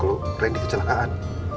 kalo randy kecelakaan